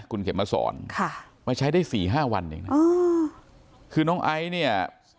คุณเข็มมาสอนค่ะมาใช้ได้สี่ห้าวันเองนะคือน้องไอซ์เนี่ย